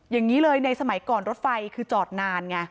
อย่างนี้เลยในสมัยก่อนรถไฟคือจอดนานไง